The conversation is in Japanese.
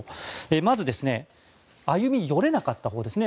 まず歩み寄れなかったほうですね